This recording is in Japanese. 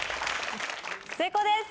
成功です！